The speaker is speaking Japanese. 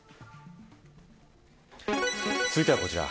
続いてはこちら。